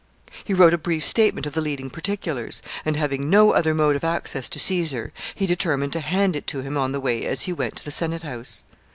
He wrote a brief statement of the leading particulars, and, having no other mode of access to Caesar, he determined to hand it to him on the way as he went to the senate house.